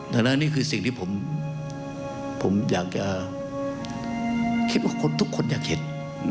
ดังนั้นนี่คือสิ่งที่ผมอยากจะคิดว่าคนทุกคนอยากเห็น